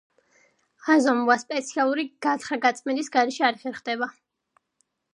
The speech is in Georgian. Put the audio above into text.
აზომვა სპეციალური გათხრა-გაწმენდის გარეშე არ ხერხდება.